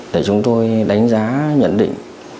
để chúng tôi đánh giá nhận định